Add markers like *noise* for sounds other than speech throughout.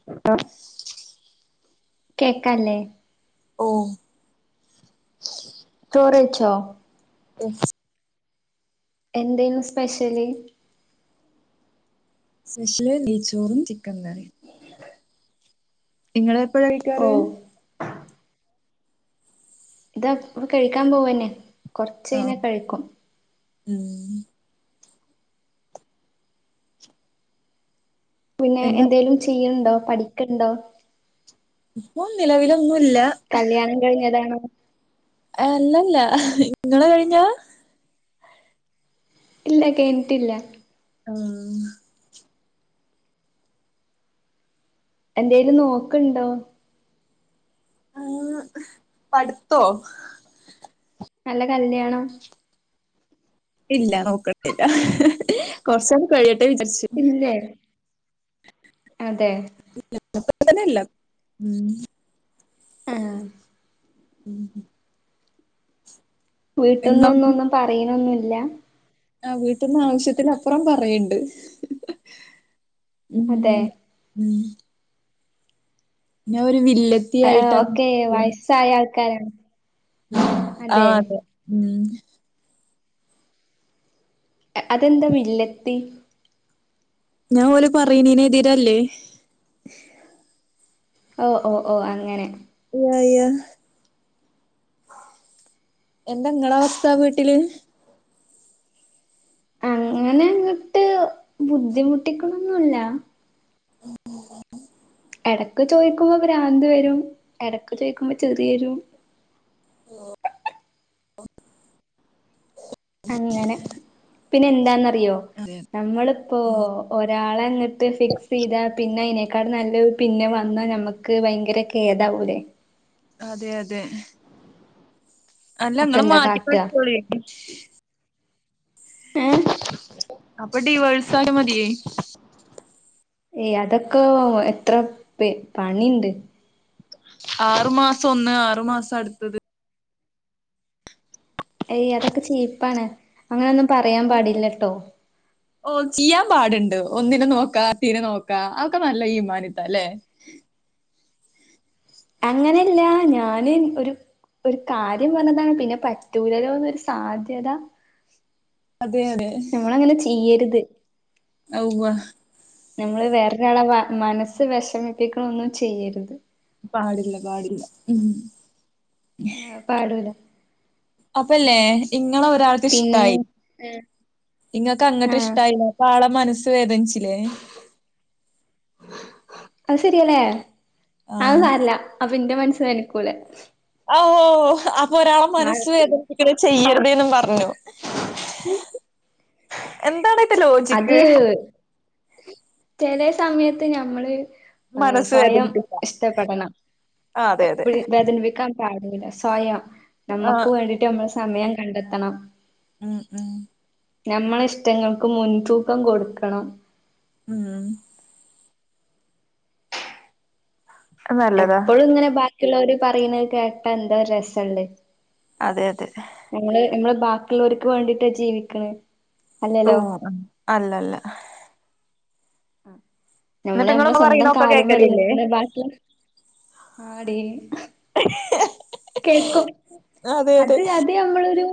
*unintelligible* കേക്കാലെ ഓ ചോറുകഴ്ച്ചോ ഉം എന്തേനു സ്പെഷ്യല് സ്പെഷ്യല് നെയ്ച്ചോറും ചിക്കൻ കറിയും നിങ്ങളെപ്പോഴാ ഓ കഴിക്കാറ് ഇതാ ഇപ്പ കഴിക്കാൻ പോവന്നെ ആഹ് കൊറച്ചഴ്നാ കഴിക്കും ഉം പിന്നെ എന്താ എന്തേലും ചെയ്യണുണ്ടോ പഠിക്കൻണ്ടോ ഇപ്പൊ നിലവിലൊന്നൂല്ല കല്യാണം കഴിഞ്ഞതാണോ അല്ലല്ല ഇങ്ങളെ കഴിഞ്ഞോ ഇല്ല കേഴിഞ്ഞിട്ടില്ല ആഹ് എന്തേലും നോക്കുണ്ടോ ആ പടുത്തോ അല്ല കല്യാണം ഇല്ല നോക്കട്ടില്ല കുറച്ചാലം കഴിയട്ടെ വിചാരിച്ച് ഇല്ലേ അതെ *unintelligible* ആം *inaudible* എങ്ങും വീട്ടുന്നൊന്നും ഒന്നും പറയണൊന്നുമില്ല ആ വീട്ട്ന്ന് ആവശ്യത്തിന് അപ്പുറം പറയണ്ട് അതെ ഉം *inaudible* ഞാനൊരു വില്ലത്തി ആ ആയിട്ടാണ് ഒക്കെ വയസ്സായ ആൾക്കാരാ ആ അതെ ഉം അതെന്താ വില്ലത്തി ഞാൻ ഓല് പറയണേന് എതിരല്ലേ ഓ ഓ ഓ അങ്ങനെ *unintelligible* എന്താനിങ്ങളെ അവസ്ഥ വീട്ടില് അങ്ങനെ അങ്ങട്ട് ബുദ്ധിമുട്ടിക്കണന്നൊല്ലാ *inaudible* എടക്ക് ചോദിക്കുമ്പോ ഭ്രാന്ത് വരും എടക്ക് ചോദിക്കുമ്പോ ചെറിയൊരു അങ്ങനെ പിന്നെന്താന്നറിയോ അതെ നമ്മളിപ്പോ ഉം ഒരാളെ അങ്ങട്ട് ഫിക്സെയ്താ പിന്നെ അയ്നേക്കാട് നല്ലെ പിന്നെ വന്നാ നമ്മക്ക് ക്ക് ഭയങ്കര കേദാവൂലേ? അതെ അതെ അല്ല അപ്പൊ ഇങ്ങള് എന്താ മാറ്റി കാട്ടാ കളിച്ചോളി. ഏഹ് അപ്പൊ ടിവേസായാൽ മതിയേ. ഏയ് അതൊക്കെ എത്ര പെ പണിണ്ട്. ആറ് മാസം ഒന്ന് ആറ് മാസം അട്ത്തത്. ഏയ് അതൊക്കെ ചീപ്പാണ് അങ്ങനെൊന്നും പറയാൻ പാടില്ലട്ടോ. ഓ ചെയ്യാൻ പാട്ണ്ട് ഒന്നിനെ നോക്ക തീനെ നോക്കാ അഒക്കെ നല്ല ഈമാനിത്താ ല്ലെ? അങ്ങനെല്ല ഞാന് ഒരു ഒരു കാര്യം പർഞ്ഞതാണ് പിന്നെ പറ്റൂലലോന്ന് ഒരു സാധ്യത. അതെയതെ. നമ്മളങ്ങനെ ചെയ്യര്ത്. *unintelligible* നമ്മള് വേറൊരാളെ വ മനസ്സ് വെഷമിപ്പിക്ക്ണൊന്നും ചെയ്യര്ത്. പാടില്ല പാടില്ല മ്. ആഹ് പാടൂല അപ്പല്ലേ ഇങ്ങളെ ഒരാൾക്ക് പിന്നെ ഇഷ്ടായി ഇങ്ങക്ക് അങ്ങട്ട് ആഹ് ഇഷ്ടായില്ല ആളെ മനസ്സ് വേദനിച്ചിലേ? അത് സര്യാല്ലേ അഹ് ആഹ് സാരല്ല അപ്പം ഇന്റെ മൻസ്സ് വേൻക്കൂലെ? അ ഓ ഓ അപ്പൊ ഒരാളെ മനസ്സ് വേദനിപ്പിക്ക ചെയ്യര്തേന്നും പർഞ്ഞു. എന്താണ്? ഇതിന്റെ അത് ലോജിക്ക് ചെല സമയത്ത് ഞമ്മള് ആ മനസ്സ് സ്വയം വേദനിപ്പിക്കാം ഇഷ്ടപ്പെടണം ആ അതെ അതെ എപ്പഴും വേദനിപ്പിക്കാ പാടൂല്ല സ്വയം ആ നമ്മക്ക് വേണ്ടിട്ട് നമ്മൾ സമയം കണ്ടെത്തണം. മ് മ് നമ്മളെ ഇഷ്ടങ്ങൾക്ക് മുൻതൂക്കം കൊടുക്കണം. മ്. നല്ലതാ എപ്പളുങ്ങനെ ബാക്കിള്ളോര് പറയ്ന്നെ കേട്ടാ എന്താ രസണ്ട്. അതെ അതെ. നങ്ങള് നമ്മള് ബാക്കിയുള്ളോർക്ക് വേണ്ടീട്ടാ ജീവിക്ക്ണ്. ഓ അല്ല അല്ല. ആ എന്നിട്ട് നമ്മള് നമ്മളെ നിങ്ങള് സ്വന്തം പറയണൊക്കെ കാല്മ്മേ ല്ലേ കേക്കലില്ലേ നിൽക്ക്ണേ ബാക്കി ആടി. കേക്കും അതെ അതെ അത് അതമ്മളൊരു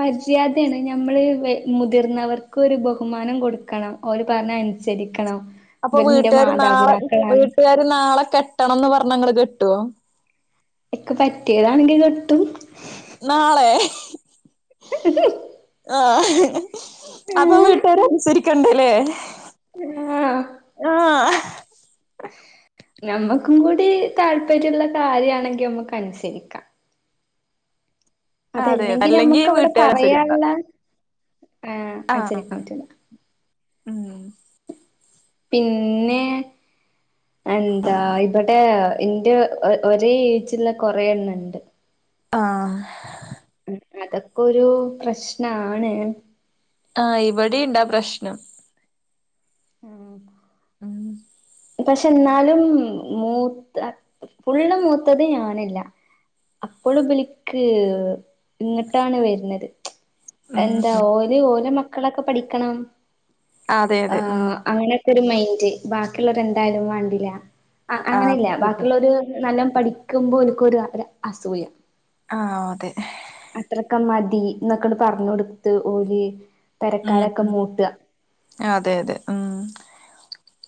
മര്യാദേണ് ഞമ്മള് വ മുതിർന്നവർക്കൊരു ബഹുമാനം കൊടുക്കണം. ഓര് പർഞ്ഞെ അൻസരിക്കണം. അപ്പൊ വീട്ടാര് നാളെ വീട്ടാര് നാളെ കെട്ടണംന്ന് പറഞ്ഞ ഇങ്ങള് കെട്ടോ? ഇക്ക് പറ്റ്യതാണെങ്കി കെട്ടും. നാളെ. *unintelligible* ആഹ് അപ്പൊ ആഹ് വീട്ടാരെ അൻസരിക്കണ്ടലേ? ആഹ് ആഹ് നമ്മക്കും കൂടി താല്പര്യള്ള കാര്യാണെങ്കി നമക്ക് അൻസരിക്ക. അതെ അതല്ലെങ്കി അല്ലെങ്കി നമ്മക്ക് അവിടെ വീട്ടുകാര് അനുസരിക്കണ്ട പറയാള്ള ആഹ് ആ അൻസരിക്കാൻ പറ്റൂല. ഉം പിന്നെ? എന്താ ഇവ്ടെ ഇന്റെ ഒരേ ഏജ്ള്ള കൊറെേണ്ണംണ്ട്. ആഹ് അതൊക്കെ ഒരു പ്രശ്നാണ് ആ ഇവിടെണ്ടാ പ്രശ്നം ഉം ഉം പക്ഷെ എന്നാലും മൂത്ത ഫുള്ള് മൂത്തത് ഞാനല്ല അപ്പോൾ ബിലിക്ക് ഇങ്ങോട്ടാണ് വരുന്നത് ഉം എന്താ ഉം ഓര് ഓലോ മക്കളൊക്കെ പഠിക്കണം അതെ ആ അതെ ഉം അങ്ങനെ തൊരുമൈന്റ് ബാക്കിയുള്ളവരെ എന്തായാലും വണ്ടില്ല ആ അത് അങ്ങനെല്ല ശരിയാ ബാക്കിയുള്ളരു നല്ല പഠിക്കുമ്പോ ഒര്ക്കൊരു ഒര് അസൂയ ആ അതെ അത്രക്കെ മതി എന്നൊക്കെണ് പറഞ്ഞ് കൊടുത്ത് ഓലി ഉം അതെ അതെ ഉം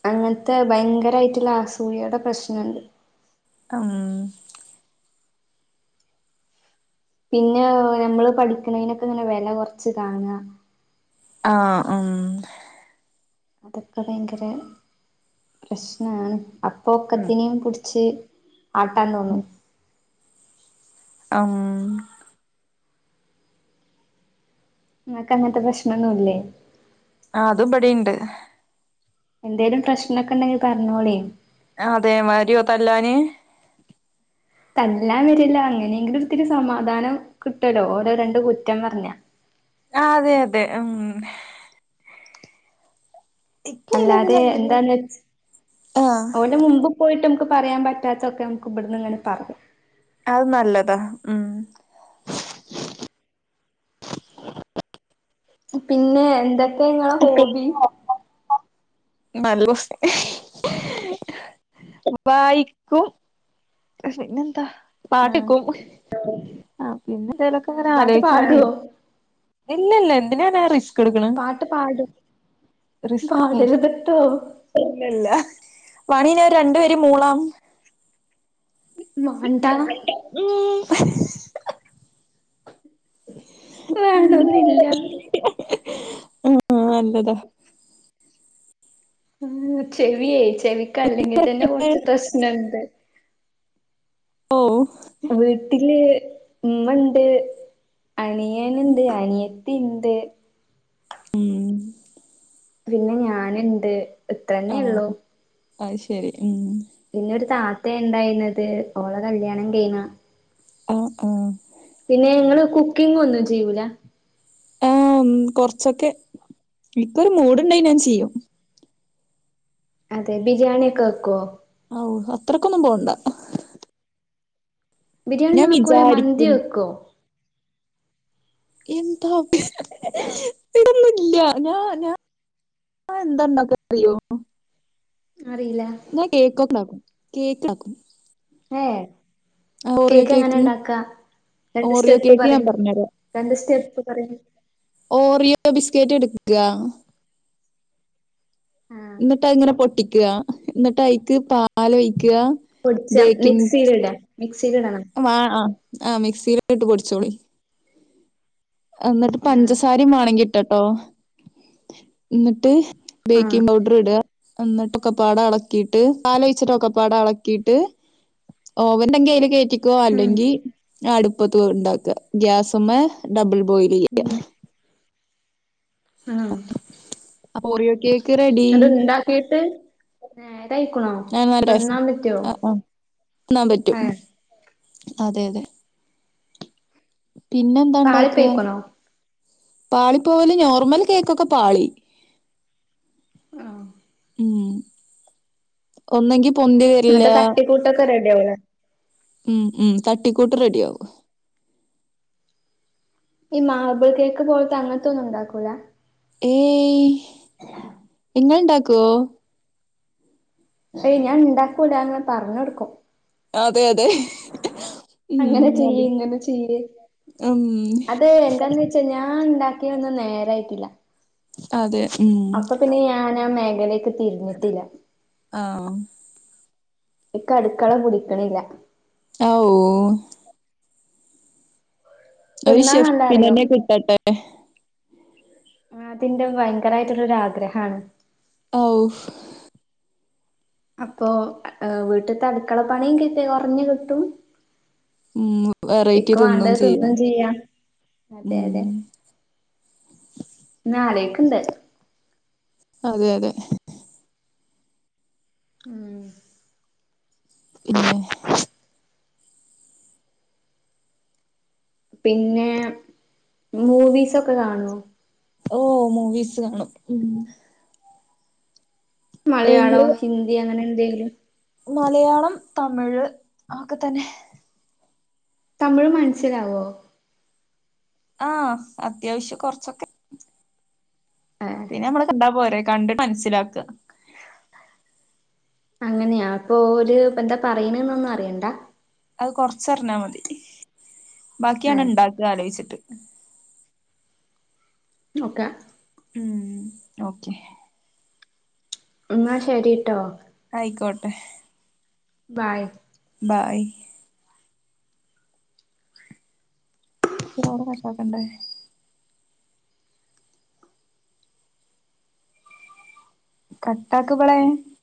അങ്ങനത്തെ ഭയങ്കരമായിട്ടുള്ള അസൂയയുടെ പ്രശ്നമുണ്ട് ഉം പിന്നെ നമ്മള് പഠിക്കുന്നതിനനൊക്കെ ഇങ്ങനെ വില കുറച്ച് കാണുക ആ ഉം അതൊക്കെ ഭയങ്കര പ്രശ്നാണ് ഉം പോക്കത്തിനെയും പിടിച്ച് ആട്ടാൻ തോന്നും അം നിങ്ങക്ക് അങ്ങത്തെ പ്രശ്നമൊന്നുമില്ലേ ആ അതും പടെണ്ട് എന്തേലും പ്രശ്നൊക്കെ ഉണ്ടെങ്കിൽ പറഞ്ഞോളി അതെ മരിയോ തല്ലാന് തല്ലാൻ വരില്ല അങ്ങനെയെങ്കിലും ഒരിത്തിരി സമാധാനം കിട്ടുല്ലോ ഓരോ രണ്ട് കുറ്റം പറഞ്ഞാ ആ അതെ അതെ ഉം ഇപ്പ നിലവിൽ അല്ലാതെ അങ്ങനെ എന്താന്ന് ആ ഒടെ മുമ്പു പോയിട്ട് നമുക്ക് പറയാൻ പറ്റാത്തൊക്കെ നമുക്ക് ഇവിടുന്ന് ഇങ്ങെന പറയാം അത് നല്ലതാ ഉം പിന്നെ എന്തൊക്കെ നിങ്ങളെ ഹോബി നല്ല *unintelligible* വായിക്കും പിന്നെന്താ ആഹ് പാട്ട്ക്കും ആ പിന്നെ എന്തേലൊക്കെ ആഹ് ഇങ്ങനെ പാട്ട് ആലോചിച്ചിങ്ങ പാടുവോ ഇല്ല ഇല്ല എന്തിന ആ റിസ് പാട്ട് പാടും റിസ്ക് പാടരുതട്ടോ ഇല്ലല്ല വണിനി രണ്ടുവരി മൂളാം മാണ്ടാ *inaudible* വേണോന്നില്ല ആ നല്ലതാ ഉ ചെവിയേ ചെവിക്ക് അല്ലെങ്കിൽ തന്നെ കൊറച്ച് പ്രശ്നുണ്ട് ഓ വീട്ടില് ഉമ്മണ്ട് അണിയൻനുണ്ട് അനിയത്തി ഉണ്ട് ഉം പിന്നെ ഞാനുണ്ട് ഇത്രന്നേ ഉള്ളു അയ്ശെരി ഉം പിന്നൊരു താത്ത ഉണ്ടായിരുന്നത് ഓള കല്യാണം കഴിഞ്ഞ ആഹ് ആഹ് പിന്നെ ങ്ങള് കുക്കിങ് ഒന്നും ചെയൂല ഓ കൊറച്ചൊക്കെ ഇക്ക് ഒരു മൂഡ് ഉണ്ടെ ഞാൻ ചെയ്യും അതെ ബിരിയാണി ഒക്കെ വെക്കുവോ ഔ അത്രക്കൊന്നും പോണ്ട ബിരിയാണി ഞാൻ നമുക്ക് പോലെ മന്തി വിചാരിക്കും വെക്കോ എന്താഭി ഇടുന്നില്ല ഞ ഞ ആ എന്താണ്ടൊക്കെ അറിയോ അറീല്ല ന കേക്കും നം കേക്ക്ണാക്കും ഏ കേക്ക് എങ്ങനെ ഇണ്ടാക്ക രണ്ട് ഓറിയോ സ്റ്റെപ്പ് കേക്ക് പറി ഞാൻ പറഞ്ഞരാ രണ്ട് സ്റ്റെപ്പ് പറി ഓറിയോ ബിസ്കറ്റ് ഇട്ക്ക ആ ഇന്നട്ട് അത്ങ്ങനെ പൊട്ടിക്ക ഇന്നട്ട് അയിക്ക് പാൽ ഒഴിക്ക പൊടിച്ച ബേക്കിംഗ് മിക്സിൽ ഇടാ മിക്സിൽ ഇടണം വാ അ അ മിക്സിയില് ഇട്ട് പൊടിച്ചോളി ഇന്നട്ട് ആ പഞ്ചസാരിം വാണങ്കിട്ടട്ടോ ഇന്നട്ട് ആ ബേക്കിംഗ് പൗഡർ ഇട ഇന്നട്ടൊക്കപ്പാട അളക്കിയിട്ട് പാലഴിച്ചട്ടൊക്കപ്പാട അളക്കിയിട്ട് ഓവണ്ടങ്കി അയ്ല് കേറ്റി ക്കോ ഉം അല്ലെങ്കി അടുപ്പത്ത് ഉണ്ടാക്കുക ഗ്യാസ്മ്മെ ഡബിൾ ബോയിൽ ചെയ്യുക ആഹ് അപ്പോറിയോകേ ന്നട്ട് ഇണ്ടാക്കിട്ട് നേരായിക്കണോ ഞാൻ നല്ല രസം തിന്നാൻ പറ്റോ ആ ആ തിന്നാൻ പറ്റും ഏ അതെ അതെ പിന്നെ എന്താ ഇണ്ടാക്ക പാളിപ്പോയിക്കണോ പാളിപ്പോവല് നോർമൽ കേക്കൊക്കെ പാളി ആഹ് ഉം ഒന്നങ്കി പൊന്തി വര്ല്ല കൂട്ടക്കെ റെഡിയാവുളെ ഉം ഉം തട്ടിക്കൂട്ട് റെഡി ആവും ഈ മാബിൾ കേക്ക് പോലത്തെ അങ്ങനത്തൊന്നും ഉണ്ടാക്കൂല ഏയ് ഇങ്ങളുണ്ടാക്കുവോ ഏയ് ഞാൻ ഇണ്ടാക്കൂല ങ്ങനെ പറഞ്ഞൊടുക്കും അതെ അതെ ഉം അങ്ങനെ നല്ല ചെയ്യേ ഇങ്ങനെ ചെയ്യേ ഉം അതെ എന്താന്ന് വെച്ചാ ഞാൻണ്ടാ ത്തിനൊന്നും നേരായിട്ടില്ല അതെ ഉം അപ്പൊ പിന്നെ ഞാനാ മേഖലക്ക് തിരിഞ്ഞിട്ടില്ല ആഹ് ഇക്കഅടുക്കള പുടിക്ക്ണില്ല അവ് ഒരു തിന്നാൻ നല്ല അറിയും ഷെഫ്നെന്നെ കിട്ടട്ടെ ആ അതിന്റെ ഭയങ്കരമായിട്ടുള്ളൊരു ആഗ്രഹമാണ് ഓഫ് അപ്പൊ വീട്ട്ത്തെ അടുക്കള പണിം ൻക്ക് കുറഞ്ഞു കിട്ടും ഉം വെറൈറ്റി ഇക്ക് വാണ്ടത് ചെയ്യാ തിന്നും ചെയ്യാം അതെ ഉം അതെ ന്നാലൊയിക്ക്ണ്ട് അതെ അതെ ഉം ഇന്നെ പിന്നെ മൂവീസൊക്കെ കാണോ ഓ മൂവീസ് കാണും ഉം മലയാളം, ഇങ്ങള് ഹിന്ദി അങ്ങനെ എന്തെങ്കിലും മലയാളം, തമിഴ് അഒക്കെ തന്നെ തമിഴ് മനസ്സിലാവോ ആഹ് അത്യാവശ്യ കുറച്ചൊക്കെ ഏഹ് പിന്നെ അമ്മള് കണ്ടാ പോരെ കണ്ട് മനസ്സിലാക്ക അങ്ങനെയാ അപ്പൊ ഓര് പ്പന്താ പറയണന്നൊന്നും അറിയണ്ട അത് കൊർച്ചറിഞ്ഞാ മതി ബാക്കിയാണ് ഏഹ് ഉണ്ടാക്ക ആലോയിച്ചിട്ട് ഓക്കേ മ്ഹ് ഓക്കെ. എന്ന ശരീട്ടോ ആയിക്കോട്ടെ ബായ് ബായ് പിന്നെ അവ്ടെ *unintelligible* കണ്ടേ കട്ടാക്ക് ബളെ